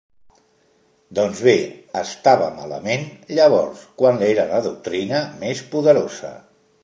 Doncs bé, estava malament, llavors, quan era la doctrina més poderosa.